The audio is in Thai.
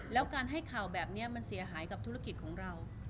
แล้วการให้ข่าวแบบนี้มันเสียหายกับธุรกิจของเรา